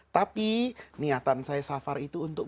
tapi niatan saya safar itu untuk